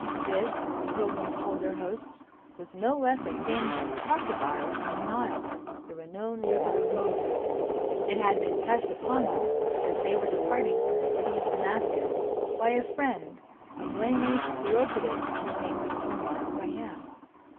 This, the Pilgrims told their hosts, was no less a thing than a crocodile from the Nile, the renowned river of Moses. It had been pressed upon them, as they were departing from the City of Damascus, by a friend, a blameless chiropodist, whose name was Omar Khayyam.